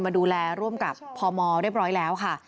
มาดูแลร่วมกับพมเรียบร้อยแล้วค่ะ